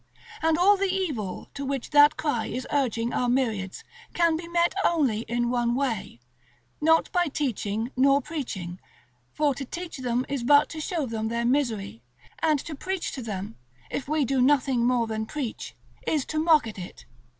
And all the evil to which that cry is urging our myriads can be met only in one way: not by teaching nor preaching, for to teach them is but to show them their misery, and to preach to them, if we do nothing more than preach, is to mock at it.